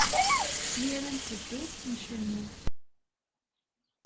Mi ara netteddu, ncennu.